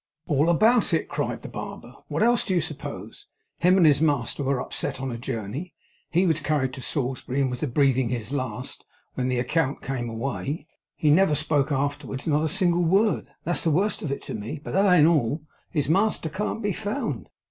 'All about it!' cried the barber. 'What else do you suppose? Him and his master were upset on a journey, and he was carried to Salisbury, and was breathing his last when the account came away. He never spoke afterwards. Not a single word. That's the worst of it to me; but that ain't all. His master can't be found.